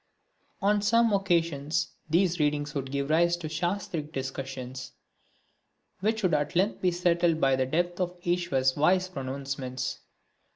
On some occasions these readings would give rise to shastric discussions, which would at length be settled by the depth of Iswar's wise pronouncements.